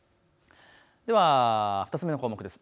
では２つ目の項目です。